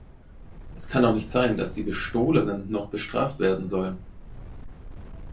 Es kann doch nicht sein, dass die Bestohlenen noch bestraft werden sollen.